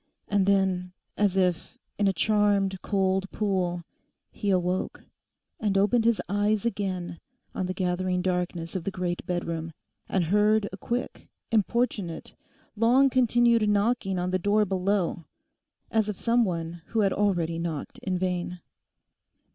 And then as if in a charmed cold pool he awoke and opened his eyes again on the gathering darkness of the great bedroom, and heard a quick, importunate, long continued knocking on the door below, as of some one who had already knocked in vain.